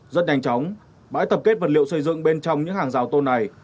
rất nhanh chóng bãi tập kết vật liệu xây dựng bên trong những hàng rào tôn này